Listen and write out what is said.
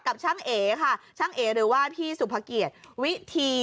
กับช่างเอ๋ค่ะช่างเอหรือว่าพี่สุภเกียรติวิธี